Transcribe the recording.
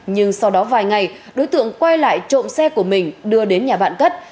nhưng sau đó vài ngày đối tượng quay lại trộm xe của mình đưa đến nhà bạn cất